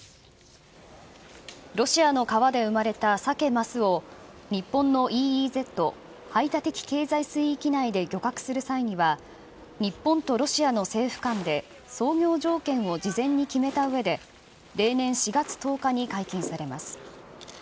ロシアの川で生まれたサケ・マスを、日本のＥＥＺ・排他的経済水域内で漁獲する際には、日本とロシアの政府間で操業条件を事前に決めたうえで、例年４月１０日に解禁されます